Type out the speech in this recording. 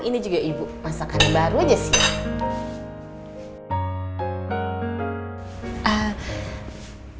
ini juga ibu masakan baru aja sih